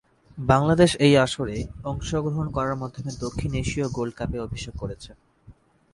বাংলাদেশ এই আসরে অংশগ্রহণ করার মাধ্যমে দক্ষিণ এশীয় গোল্ড কাপে অভিষেক করেছে।